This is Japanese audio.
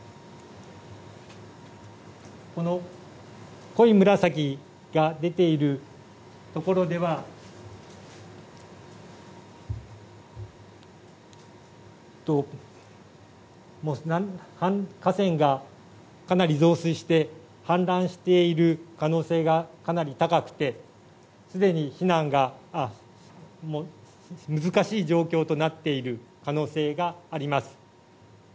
この濃い紫が出ている所では、河川がかなり増水して、氾濫している可能性がかなり高くて、すでに避難が難しい状況となっている可能性があります。